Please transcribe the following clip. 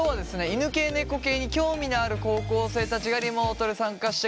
犬系・猫系に興味のある高校生たちがリモートで参加してくれてます。